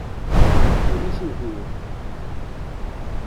Ulac ugur.